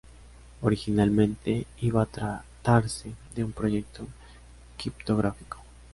Originalmente iba a tratarse de un proyecto criptográfico.